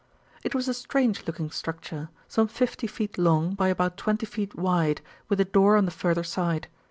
It was a strange looking structure, some fifty feet long by about twenty feet wide, with a door on the further side.